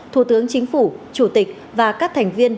thủ tướng chính phủ chủ tịch và các thành viên